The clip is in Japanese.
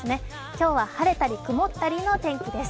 今日は晴れたり曇ったりの天気です。